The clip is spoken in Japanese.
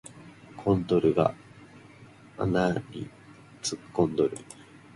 コンドルが穴に突っ込んどる